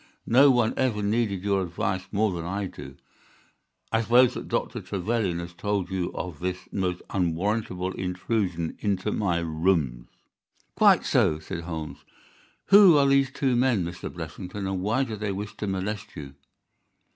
No one ever needed your advice more than I do. I suppose that Dr. Trevelyan has told you of this most unwarrantable intrusion into my rooms." "Quite so," said Holmes. "Who are these two men Mr. Blessington, and why do they wish to molest you?"